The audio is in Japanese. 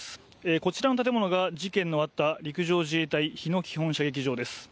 こちらの建物が事件のあった陸上自衛隊日野基本射撃場です。